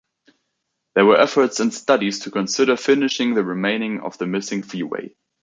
There were efforts and studies to consider finishing the remaining of the missing freeway.